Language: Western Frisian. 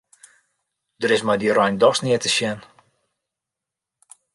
Der is mei dy rein dochs neat te sjen.